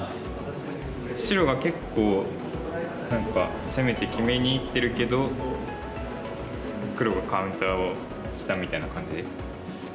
白が結構何か攻めて決めにいってるけど黒がカウンターをしたみたいな感じで。